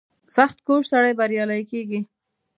• سختکوش سړی بریالی کېږي.